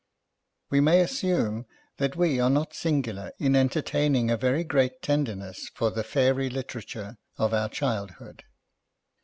We may assume that we are not singular m entertaining a very great tenderness for the fairy literature of our childhood.